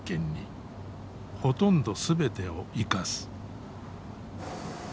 ほとんど全てを生かす。